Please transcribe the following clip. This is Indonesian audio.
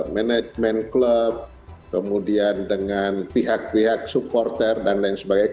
manajemen klub kemudian dengan pihak pihak supporter dan lain sebagainya